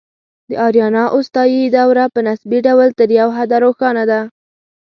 د آریانا اوستایي دوره په نسبي ډول تر یو حده روښانه ده